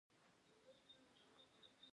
ایا زه باید په وښو وګرځم؟